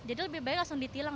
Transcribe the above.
jadi lebih baik langsung ditilang